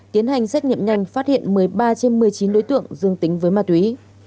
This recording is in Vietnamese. tiến hành xét nghiệm nhanh phát hiện một mươi ba trên một mươi chín đối tượng dương tính với ma túy